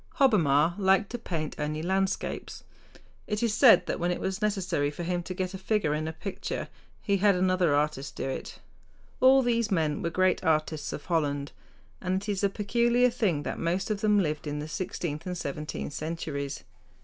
Hobbema liked to paint only landscapes. It is said that when it was necessary for him to get a figure in a picture he had another artist do it. All these men were great artists of Holland. And it is a peculiar thing that most of them lived in the sixteenth and seventeenth centuries.